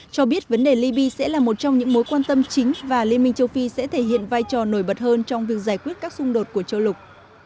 cho biết vấn đề libya sẽ là một trong những mối quan tâm chính và liên minh châu phi sẽ thể hiện vai trò nổi bật hơn trong việc giải quyết các xung đột của châu lục